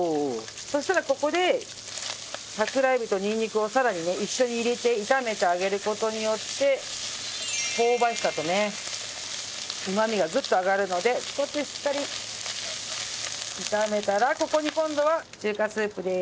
そしたらここで桜えびとにんにくをさらにね一緒に入れて炒めてあげる事によって香ばしさとねうまみがぐっと上がるのでこうやってしっかり炒めたらここに今度は中華スープです。